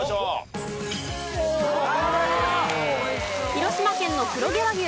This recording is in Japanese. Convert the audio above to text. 広島県の黒毛和牛。